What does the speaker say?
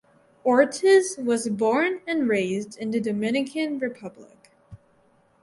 Ortiz was born and raised in the Dominican Republic.